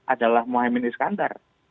adalah muhammad iskandar